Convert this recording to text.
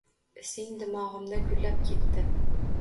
Ising dimog’imda gullab ketdi.